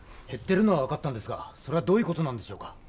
減ってるのは分かったんですがそれはどういう事なんでしょうか？